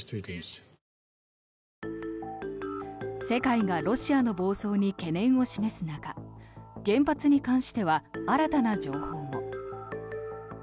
世界がロシアの暴走に懸念を示す中原発に関しては新たな情報も。